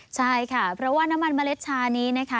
ใช่ค่ะเพราะว่าน้ำมันเมล็ดชานี้นะคะ